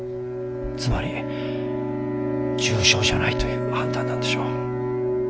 つまり重症じゃないという判断なんでしょう。